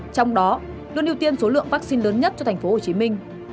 trong đó luôn ưu tiên số lượng vaccine lớn nhất cho thành phố hồ chí minh